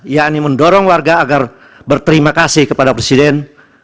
yakni mendorong warga agar berterima kasih kepada presiden